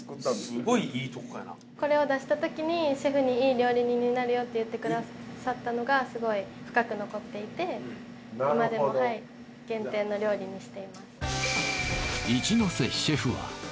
すごいいいとこやなこれを出したときにシェフに良い料理人になるよって言ってくださったのがすごい深く残っていて今でも原点の料理にしています